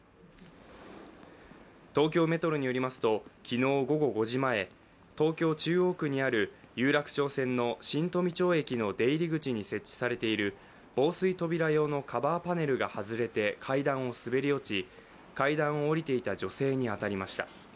東京メトロによりますと昨日午後５時前、東京・中央区にある有楽町線の新富町駅の出入口に設置されている防水扉用のカバーパネルが外れて階段を滑り落ち、階段を降りていた女性に当たりました。